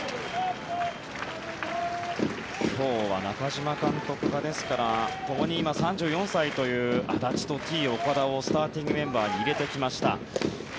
今日は中嶋監督が、ですからともに３４歳という安達とＴ−岡田をスターティングメンバーに入れてきました。